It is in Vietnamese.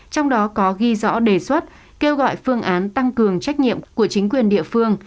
trong đó có ghi rõ đề xuất kêu gọi phương án tăng cường trách nhiệm của chính quyền địa phương